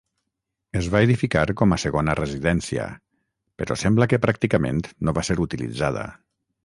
Es va edificar com a segona residència però sembla que pràcticament no va ser utilitzada.